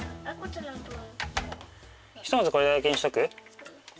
ひとまずこれだけにしとく？